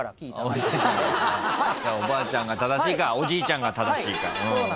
おばあちゃんが正しいかおじいちゃんが正しいか。